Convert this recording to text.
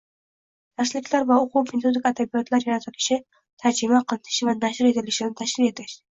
darsliklar va o`quv-metodik adabiyotlar yaratilishi, tarjima qilinishi va nashr etilishini tashkil etish;